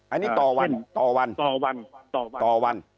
อันนี้ต่อวันต่อวันต่อวันต่อวันต่อวัน